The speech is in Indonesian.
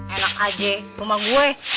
enak aja rumah gue